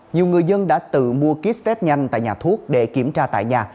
nhiều người dân đã tự mua kit test nhanh tại nhà thuốc để kiểm tra tại nhà